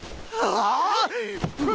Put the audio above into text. ああ！